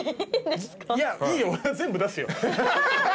いやいいよ全部出すよ。